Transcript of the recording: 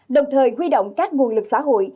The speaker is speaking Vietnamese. đồng thời huy động các nguồn lực xã hội